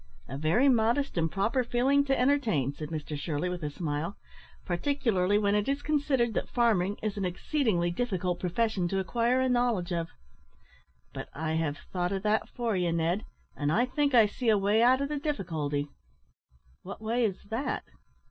"A very modest and proper feeling to entertain," said Mr Shirley, with a smile; "particularly when it is considered that farming is an exceedingly difficult profession to acquire a knowledge of. But I have thought of that for you, Ned, and I think I see a way out of the difficulty." "What way is that?"